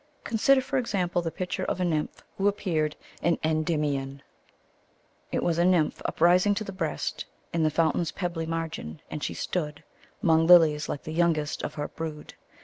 Consider, for example, the picture of a nymph who appeared to Endymion: It was a nymph uprising to the breast In the fountain's pebbly margin, and she stood 'Mong lilies, like the youngest of her brood.